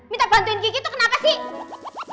minta bantuin kiki tuh kenapa sih